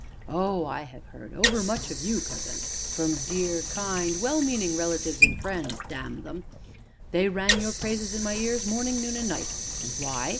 Oh, I have heard over much of you, cousin, from dear, kind, well meaning relatives and friends damn 'em! They rang your praises in my ears, morning, noon, and night. And why?